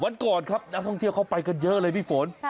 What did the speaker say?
นักท่องเที่ยวเข้าไปกันเยอะเลยพี่ฝน